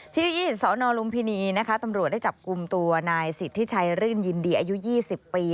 ที่สนลุมพินีนะคะตำรวจได้จับกลุ่มตัวนายสิทธิชัยรื่นยินดีอายุ๒๐ปี